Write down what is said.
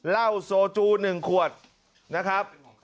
เหล้าโซจู๑ขวดนะครับ